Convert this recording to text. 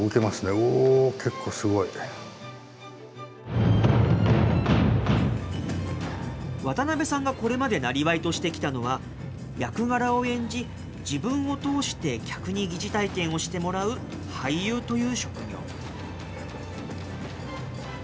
おー、結構すごい。渡辺さんがこれまでなりわいとしてきたのは、役柄を演じ、自分を通して、客に疑似体験をしてもらう俳優という職業。